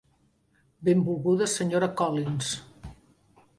Benvolguda senyora Collins.